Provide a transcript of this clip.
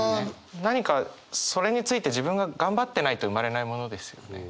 何かそれについて自分が頑張ってないと生まれないものですよね。